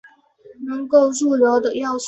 能够入流的要素。